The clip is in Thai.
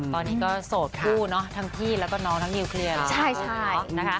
ตอนนี้ก็โสดคู่เนาะทั้งพี่แล้วก็น้องทั้งนิวเคลียร์แล้ว